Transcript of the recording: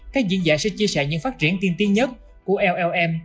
các diễn giả sẽ chia sẻ những phát triển tiên tiến nhất của llm